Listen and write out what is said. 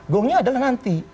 gongnya adalah nanti